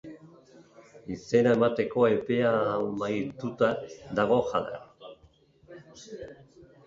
Izena emateko epea amaituta dago jada.